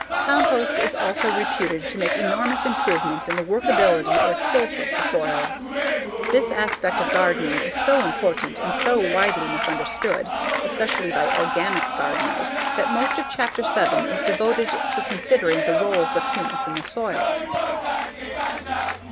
Compost is also reputed to make enormous improvements in the workability, or tilth of the soil. This aspect of gardening is so important and so widely misunderstood, especially by organic gardeners, that most of Chapter Seven is devoted to considering the roles of humus in the soil.